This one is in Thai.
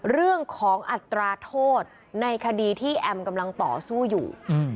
เรื่องของอัตราโทษในคดีที่แอมกำลังต่อสู้อยู่